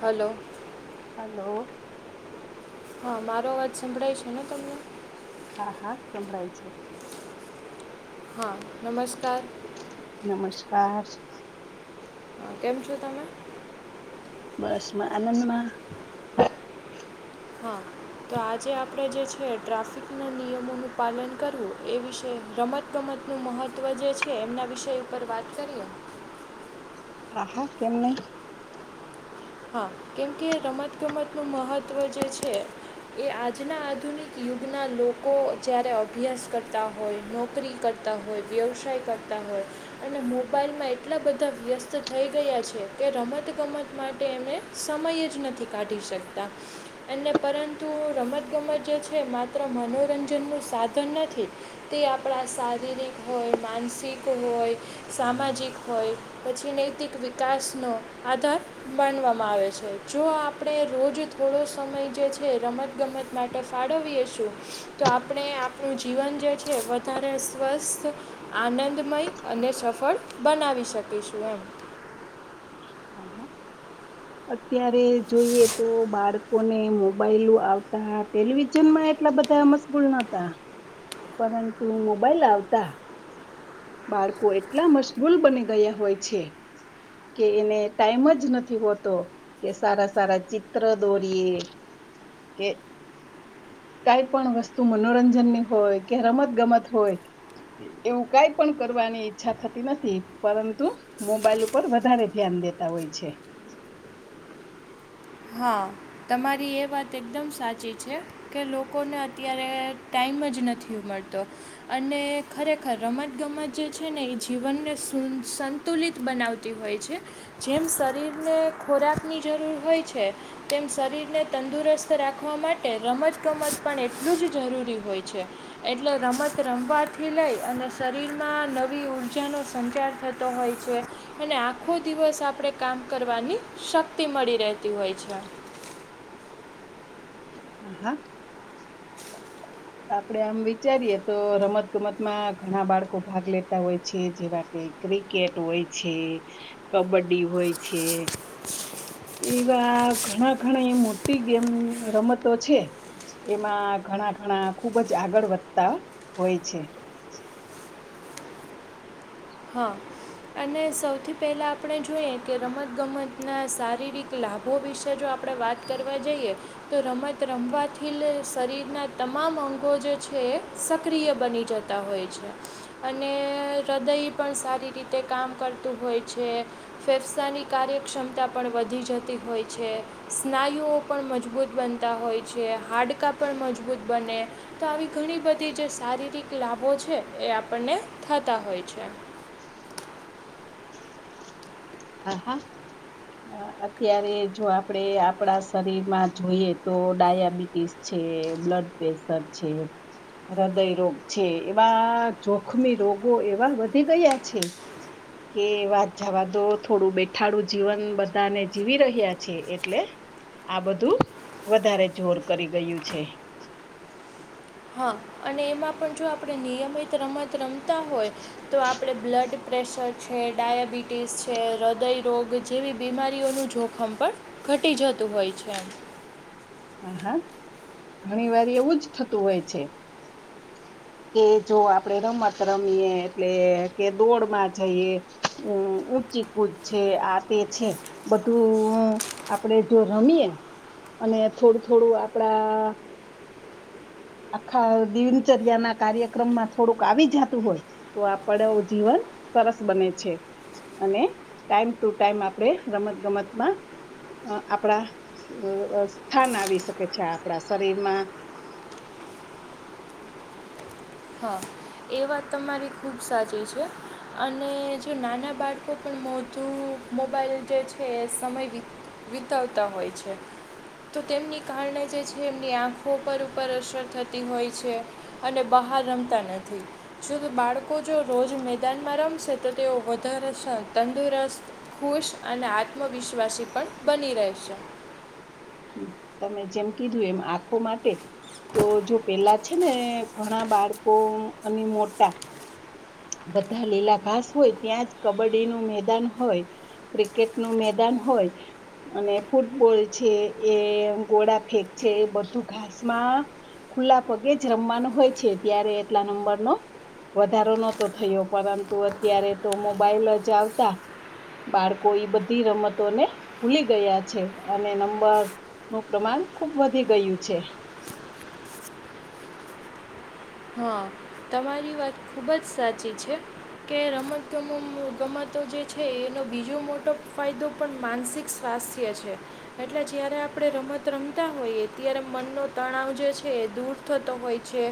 Hello hello હા મારો અવાજ સંભળાય છે ને તમને? હા હા સંભળાય છે. હા નમસ્કાર નમસ્કાર કેમ છો તમે? બસ માં આનંદમાં હા [inaudible] તો આજે આપણે જે છે ટ્રાફિકના નિયમોનું પાલન કરવું એ વિશે, રમત ગમતનું મહત્વ જે છે, એમના વિષય ઉપર વાત કરીએ. હા હા કેમ નહી. હા કેમકે રમતગમતનું મહત્ત્વ જે છે. એ આજના આધુનિક યુગના લોકો જ્યારે અભ્યાસ કરતા હોય, નોકરી કર કરતા હોય, વ્યવસાય કરતા હોય, અને મોબાઈલમાં એટલા બધા વ્યસ્ત થઈ ગયા છે કે રમત ગમત માટ કે એમને સમય જ નથી કાઢી શકતા. અને પરંતુ રમતગમત જે છે માત્ર મનોરંજનનું સાધન નથી. તે આપણા શારીરિક હોય, માનસિક હોય, સામાજિક હોય, પછી નૈતિક વિકાસનો આધાર માનવામાં આવે છે, જો આપણે રોજ થોડો સમય જે છે રમતગમત માટે ફાળવીએ શું? તો આપણે આપણું જીવન જે છે, વધારે સ્વસ્થ આનંદમય અને સફળ બનાવી શકીશું એમ, હા હા અત્યારે જોઈએ તો બાળકોને મોબાઈલો આવતા ટેલિવિઝનમાં એટલા બધા મસ્ત ગુલ નતા, પરંતુ મોબાઈલ આવતા બાળકો એટલા મશગુલ બની ગયા હોય છે કે એને ટાઈમ જ નથી હોતો કે સારા સારા ચિત્ર દોરીએ. કે કાઈ પણ વસ્તુ મનોરંજનની હોય કે રમત ગમત હોય, એવું કાઈ પણ કરવાની ઈચ્છા થતી નથી, પરંતુ મોબાઈલ ઉપર વધારે ધ્યાન દેતા હોય છે. હા તમારી એ વાત એકદમ સાચી છે. કે લોકોને અત્યારે ટાઈમ જ નથી મળતો અને ખરેખર રમત ગમત જે છે ને એ જીવનને સુ સ તુલિત બનાવતી હોય છે, જેમ શરીરને ખોરાકની જરૂર હોય છે. તેમ શરીરને તંદુરસ્ત રાખવા માટે રમત ગમત પણ એટલું જ જરૂરી હોય છે. એટલે રમત રમવાથી લઈ અને શરીરમાં નવી ઊર્જાનો સંચાર થ હોય છે અને આખો દિવસ આપણે કામ કરવાની શક્તિ મળી રહે તી હોય છે. હા હા આપડે આમ વિચારીએ તો રમત ગમતમાં ઘણા બાળકો ભાગ લેતા હોય છે જેવા કે ક્રિકેટ હોય છે, કબડ્ડી હોય છે, એવા ઘણા ઘણા મોટી ગેમ રમતો છે, એમાં ઘણા ઘણા ખુબ જ આગળ વધતા હોય છે. હા અને સૌથી પહેલાં આપણે જોઈએ કે રમતગમતના શારીરિક લાભો વિશે જો આપણે વાત કરવા જઈએ તો રમત રમવાથી શરીરના તમામ અંગો જે છે, સક્રિય બની જતા હોય છે, અને હૃદય પણ સારી રીતે કામ કરતું હોય છે. ફેફસાની કાર્યક્ષમતા પણ વધી જતી હોય છે. સ્નાયુઓ પણ મજબૂત બનતા હોય છે. હાડકાં પણ મજબૂત બને. તો આવી ઘણી બધી જે શારીરિક લાભો છે, એ આપણને થતા હોય છે. હા, હા. અહ અત્યારે જો આપણે આપણા શરીરમાં જોઈએ તો ડાયાબિટીસ છે, બ્લડ પ્રેશર છે. હૃદય રોગ છે. એવા જોખમી રોગો એવા વધી ગયા છે. કે વાત જાવા દો. થોડું બેઠાડું જીવન બધાને જીવી રહ્યા છે, એટલે આ બધું વધારે જોર કરી ગયું છે. હા. અને એમાં પણ જો આપણે નિયમિત રમત રમતા હોય તો આપણે બ્લડ પ્રેશર છે, ડાયાબિટીસ છે, હૃદયરોગ જેવી બીમારીઓનું જોખમ પણ ઘટી જતું હોય છે એમ. હા, હા. ઘણીવાર એવું જ થતું હોય છે. કે જો આપણેરમત રમીએ એટલે, કે દોડમાં જઈએ. ઊં ઊંચીકૂદ છે, આ તે છે. બધું આપણે જો રમીએે, અને થોડું-થોડું આપણાં આખા દિનચર્યાના કાર્યક્રમમાં થોડુંક આવી જાતું હોય. તો આપણે આવું જીવન સરસ બને છે. અને ટાઈમ ટુ ટાઈમ આપણે રમત-ગમતમાં અહ આપણા અહ સ્થાન આવી શકે છે આપણા શરીરમાં. હા. એ વાત તમારી ખુબ સાચી છે. અને જો નાના બાળકો પણ [unintelligible] મોબાઈલ જે છે, એ સમય વિત વિતાવતા હોય છે. તો તેમની કારણે જે છે, એમની આંખો પર ઉપર અસર થતી હોય છે. અને બહાર રમતા નથી. જો તો બાળકો જો રોજ મેદાનમાં રમશે, તો તેઓ વધારે સ તંદુરસ્ત ખુશ અને આત્મવિશ્વાસી પણ બની રહેશે. હમ્મ. તમે જેમ કીધું એમ આંખો માટે તો જો પહેલા છે ને, ઘણા બાળકો અને મોટાં બધા લીલા ઘાસ હોય ત્યાં જ કબડ્ડીનું મેદાન હોય ક્રિકેટનું મેદાન હોય અને ફૂટબોલ છે, એ ગોળા ફેંક છે, એ બધું ઘાસમાં ખુલ્લાં પગે જ રમવાનું હોય છે. ત્યારે એટલા નંબરનો વધારો નો તો થયો, પરંતુ અત્યારે તો મોબાઈલ જ આવતા. બાળકોએ ઈ બધી રમતોને ભૂલી ગયા છે. અને નંબર નું પ્રમાણ ખુબ વધી ગયું છે. હા. તમારી વાત ખૂબ જ સાચી છે. કે રમત ગમો ગમતો જે છે, એનો બીજો મોટો ફાયદો પણ માનસિક સ્વાસ્થ્ય છે. એટલે જયારે આપણે રમત રમતા હોઈએ, ત્યારે મનનો તણાવ જે છે એ દૂર થતો હોય છે.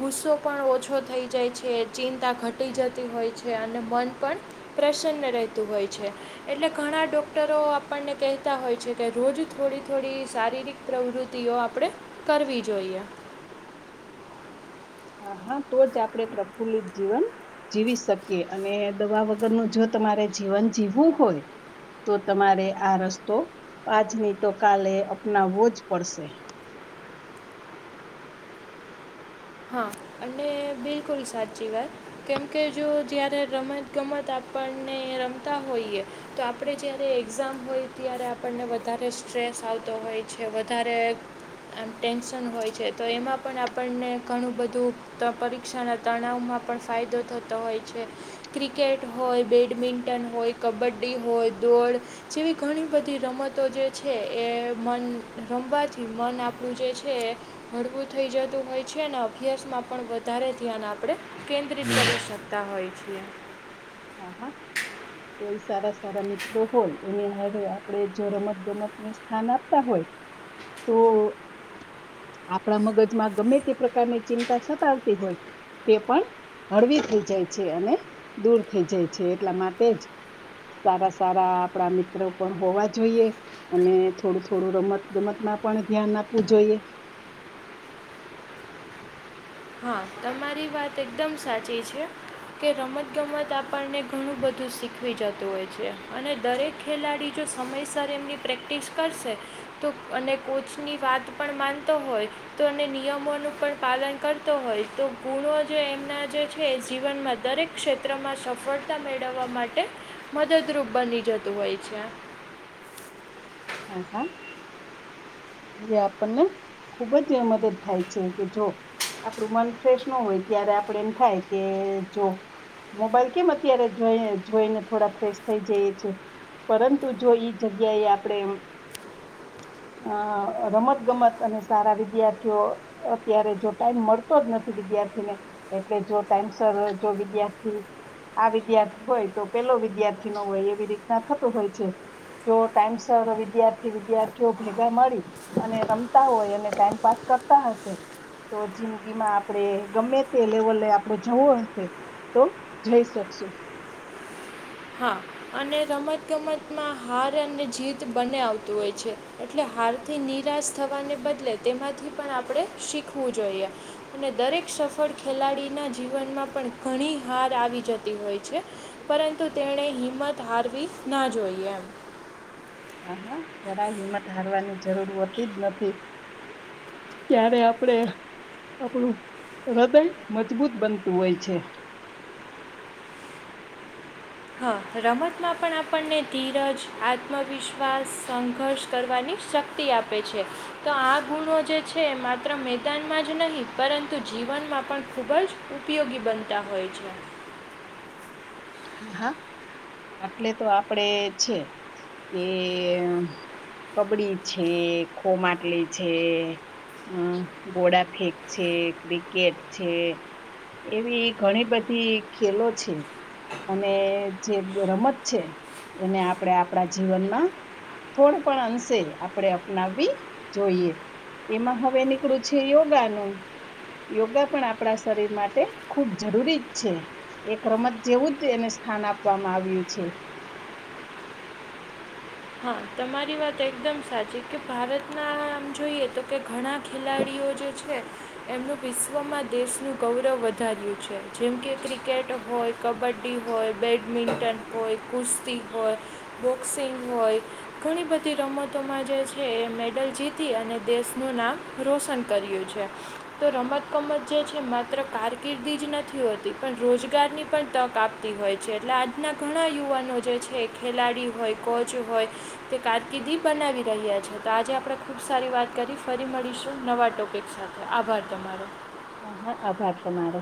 ગુસ્સો પણ ઓછો થઈ જાય છે, ચિંતા ઘટી જતી હોય છે, અને મન પણ પ્રસન્ન રહેતું હોય છે. એટલે ઘણા ડોક્ટરો આપણને કહેતા હોય છે, કે રોજ થોડી-થોડી શારીરિક પ્રવૃત્તિઓ આપણે કરવી જોઈએ. હા હા તો જ આપડે પ્રફુલ્લિત જીવન જીવી શકીએ અને દવા વગરનું જો તમારે જીવન જીવવું હોય તો તમારે આ રસ્તો આજની તો કાલે અપનાવવો જ પડશે હા અને બિલકુલ સાચી વાત કેમ કે જો જયારે રમત ગમત આપણને રમતા હોઈએ તો આપણે જ્યારે એક્ઝામ હોય ત્યારે આપણને વધારે સ્ટ્રેસ આવતો હોય છે વધારે આમ ટેન્શન હોય છે તો એમાં પણ આપણને ઘણું બધું ત પરીક્ષાના તણાવમાં પણ ફાયદો થતો હોય છે ક્રિકેટ હોય બેડમિન્ટન હોય કબડ્ડી હોય દોડ જેવી ઘણી બધી રમતો જે છે એ મન રમવા જ મન આપણું જે છે એ હળવું થઈ જતું હોય છે ને અભ્યાસમાં પણ વધારે ધ્યાન આપણે કેન્દ્રિત કરી શકતા હોઈ છીએ. આ હા કોઈ સારા સારા મિત્રો હોય એની હારે આપણે જો રમત ગમતને સ્થાન આપતા હોય. તો આપણા મગજમાં ગમે તે પ્રકારની ચિંતા સતાવતી હોય તે પણ હળવી થઈ જાય છે અને દૂર થઈ જાય છે એટલા માટે જ સારા સારા આપણા મિત્રો પણ હોવા જોઈએ અને થોડું થોડું રમત ગમતમાં પણ ધ્યાન આપવું જોઈએ. હા તમારી વાત એકદમ સાચી છે. કે રમત ગમત આપણને ઘણું બધું શીખવી જતું હોય છે અને દરેક ખેલાડી જો સમયસર એમની પ્રેક્ટિસ કરશે તો અને કોચની વાત પણ માનતો હોય તો અને નિયમોનું પણ પાલન કર તો હોય તો ગુણો જે એમના જે છે એ જીવનમાં દરેક ક્ષેત્રમાં સફળ તા મેળવવા માટે મદદરૂપ બની જતું હોય છે હા હા એ આપણને ખુબ જ મદદ થાય છે કે જો આપડું મન ફ્રેશ ન હોય ત્યારે આપડે એમ થાય કે જો મોબાઈલ કેમ અત્યારે જોઈ જોઈને થોડા ફ્રેશ થઈ જઈએ છે પરંતુ જો ઈ જગ્યા એ આપડે અ રમત ગમત અને સારા વિદ્યાર્થીઓ અત્યારે જો ટાઈમ મળતો જ નથી વિદ્યાર્થીને એટલે જો ટાઈમસર જો વિદ્યાર્થી આ વિદ્યાર્થી હોય તો પેલો વિદ્યાર્થી નો હોય એવી રીતના થતું હોય છે જો ટાઈમ સર વિદ્યાર્થી વિદ્યાર્થીઓ ભેગા મળી અને રમતા હોય અને ટાઈમ પાસ કરતા હશે તો જિંદગી માં આપડે ગમે તે લેવલે આપડણે જવું હશે તો જઈ શકશું. હા અને રમત ગમતમાં હાર અને જીત બને આવતું હોય છે એટ લે હારથી નિરાશ થવાને બદલે તેમાંથી પણ આપણે શીખવું જોઈએ. અને દરેક સફળ ખેલાડીના જીવનમાં પણ ઘણી હાર આવી જતી હોય છે પરંતુ તેણે હિંમત હારવી ના જોઈએ એમ હા હા જરા હિંમત હારવાની જરૂર હોતી જ નથી ક્યારે આપડે આપણું હૃદય મજબૂત બનતું હોય છે. હા રમતમાં પણ આપણને ધીરજ, આત્મવિશ્વાસ સંઘર્ષ કરવાની શક્ શકતિ આપે છે. તો આ ગુણો જે છે એ માત્ર મેદાનમાં જ નહીં પરંતુ જીવનમાં પણ ખૂબ જ ઉપયોગી બનતા હોય છે. હા હા આટલે તો આપડે છે એ કબડી છે, ખો માટલી છે. હમમ ઘોડા ફેક છે, ક્રિકેટ છે. એવી ઘણી બધી ખેલો છે. અને જે રમત છે એને આપણે આપણા જીવનમાં થોડુ પણ અંશે આપણે અપનાવવી જોઈએ. એમાં હવે નીકળું છે યોગા નુ યોગા પણ આપણા શરીર માટે ખૂબ જરૂરી જ છે. એક રમત જેવું જ એને સ્થાન આપવામાં આવ્યું છે. હા તમારી વાત એકદમ સાચી કે ભારતના આમ જોઈએ તો કે ઘણા ખેલાડીઓ જે છે એમનું વિશ્વમાં દેશનું ગૌરવ વધાર્યું છે જેમકે ક્રિકેટ હોય કબડ્ડી હોય, બેડમિન્ટન હોય, કુસ્તી હોય, બોક્સિંગ હોય. ઘણી બધી રમતોમાં જે છે એ મેડલ જીતી અને દેશનું નામ રોશન કર્યું છે. તો રમત ગમત જે છે માત્ર કારકિર્દી જ નથી હોતી પણ રોજગારની પણ તક આપ તી હોય છે એટલે આજના ઘણા યુવાનો જે છે ખેલાડી હોય, કોચ હોય તે કારકિર્દી બનાવી રહ્યા છે તો આજે આપણે ખુબ સારી વાત કરી ફરી મળીશું નવા ટોપિક સાથે. આભાર તમારો. હા હા આભાર તમારો.